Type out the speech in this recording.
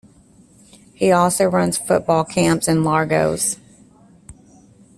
He also runs football camps in Lagos.